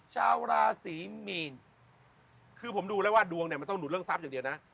ชาวราศีมีนคือผมดูแล้วว่าดวงเนี่ยมันต้องดูดเรื่องทรัพย์อย่างเดียวนะ